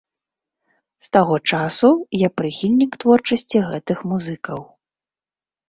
З таго часу я прыхільнік творчасці гэтых музыкаў.